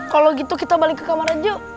kalau gitu kita balik ke kamar aja